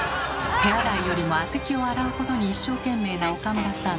手洗いよりも小豆を洗うことに一生懸命な岡村さん。